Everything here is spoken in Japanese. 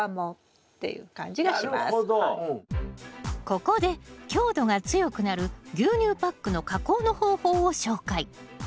ここで強度が強くなる牛乳パックの加工の方法を紹介。